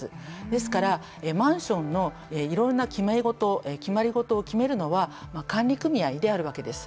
ですから、マンションのいろんな決まり事を決めるのは管理組合であるわけです。